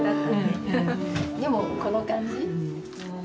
でもこの感じうん。